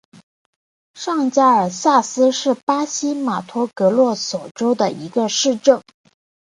上加尔萨斯是巴西马托格罗索州的一个市镇。